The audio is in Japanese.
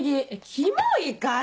キモいから！